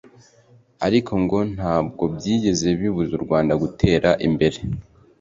ariko ngo ntabwo byigeze bibuza u Rwanda gutera imbere